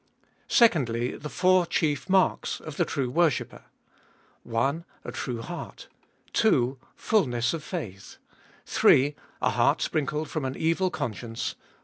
II. The four chief Marks of the true worshipper : 1. A True Heart. 2. Fulness of Faith. 3. A Heart sprinkled from an Evil Conscience.